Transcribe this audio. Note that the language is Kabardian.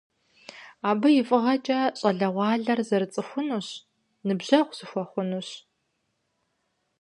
Абы и фӀыгъэкӀэ щӀалэгъуалэр зэрыцӀыхунущ, ныбжьэгъу зэхуэхъунущ.